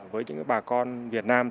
với những bà con việt nam